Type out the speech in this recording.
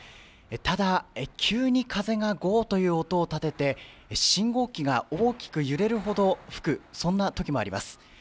ただ急に風がゴーという音を立てて信号機が大きく揺れるほど吹くそんなときもあります。